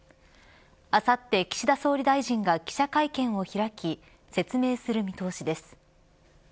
あさって岸田総理大臣が記者会見を開き説明する見通しです。